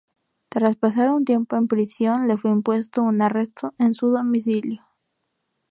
Tras pasar un tiempo en prisión, le fue impuesto un arresto en su domicilio.